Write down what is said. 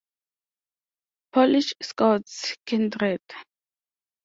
Polish Scouts kindred!